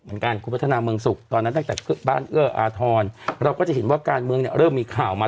เหมือนกันคุณพัฒนาเมืองสุขตอนนั้นตั้งแต่บ้านเอื้ออาทรเราก็จะเห็นว่าการเมืองเนี่ยเริ่มมีข่าวมา